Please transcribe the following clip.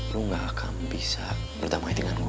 lu nggak akan bisa berdamai dengan gue